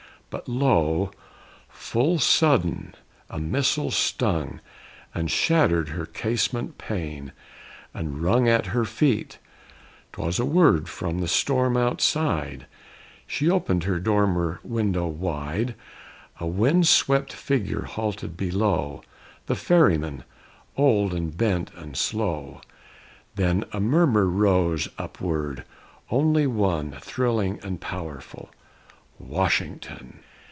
But lo, full sudden a missile stung And shattered her casement pane and rung At her feet! 'Twas a word from the storm outside. She opened her dormer window wide. A wind swept figure halted below The ferryman, old and bent and slow. Then a murmur rose upward only one, Thrilling and powerful "_Washington!